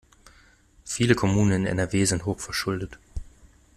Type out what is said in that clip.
Viele Kommunen in NRW sind hochverschuldet.